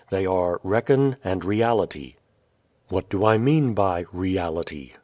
They are "reckon" and "reality." What do I mean by reality?